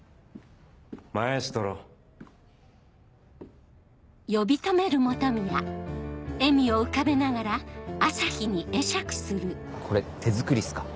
・マエストロ・これ手作りっすか？